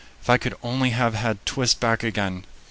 If I could only have had Twist back again!